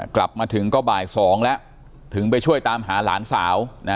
กลับมาถึงก็บ่าย๒แล้วถึงไปช่วยตามหาหลานสาว